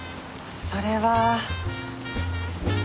それは。